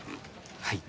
はい。